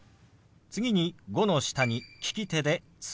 次「５」の下に利き手で「月」。